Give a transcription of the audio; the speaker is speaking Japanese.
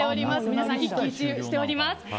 皆さん、一喜一憂しております。